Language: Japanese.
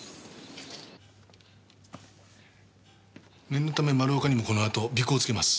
念のため丸岡にもこのあと尾行をつけます。